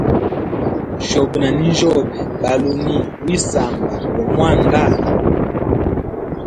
Shobe na ninjyobe bali uni wisamba go mwanda.